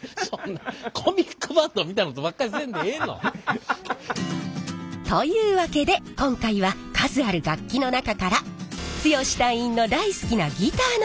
コミックバンドみたいなことばっかりせんでええの。というわけで今回は数ある楽器の中から剛隊員の大好きなギターの工場を探検します！